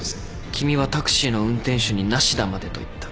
君はタクシーの運転手に「ナシダまで」と言った。